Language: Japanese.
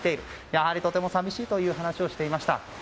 やはり、とても寂しいと話をしていました。